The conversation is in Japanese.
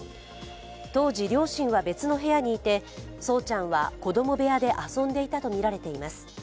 当時、両親は別の部屋にいて、聡ちゃんは子供部屋で遊んでいたとみられています。